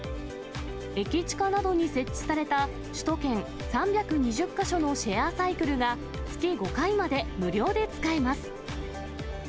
駅近などに設置された首都圏３２０か所のシェアサイクルが、月５回まで無料で使えます。